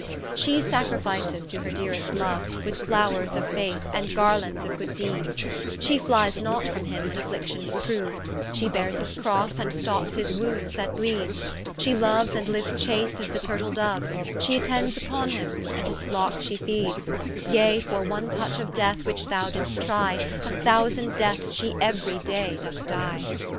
Shee sacrificeth to her deerest Loue, With flowres of Faith, and garlands of Good deeds; Shee flies not from him when afflictions proue, Shee beares his crosse, and stops his wounds that bleeds; Shee loues and liues chaste as the Turtle doue, Shee attends vpon him, and his flocke shee feeds; Yea for one touch of death which thou did'st trie, A thousand deaths shee euery day doth die.